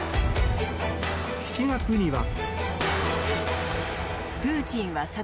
７月には。